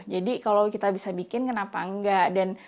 kalau kita bisa bikin kenapa enggak